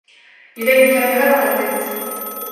Il a une caméra dans la tête.